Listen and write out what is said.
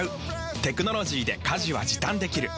テクノロジーで家事は時短できる。